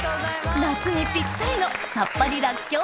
夏にピッタリのさっぱりラッキョウ